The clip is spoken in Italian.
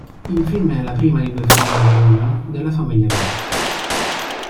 Il film è la prima di due film reunion de "La famiglia Bradford".